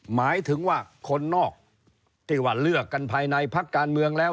หมายถึงว่าคนนอกที่ว่าเลือกกันภายในพักการเมืองแล้ว